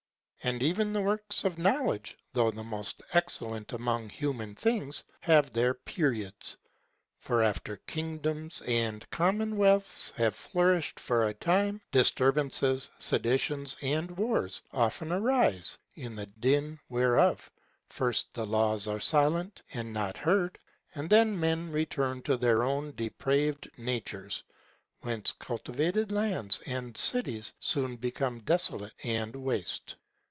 And even the works of knowledge, though the most excellent among human things, have their periods; for after kingdoms and commonwealths have flourished for a time, disturbances, seditions, and wars, often arise, in the din whereof, first the laws are silent, and not heard; and then men return to their own depraved natures—whence cultivated lands and cities soon become desolate and waste.